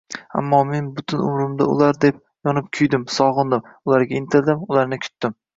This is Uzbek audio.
Ammo men butun umrimda ular deb yonib-kuydim, sog‘indim, ularga intildim, ularni kutdim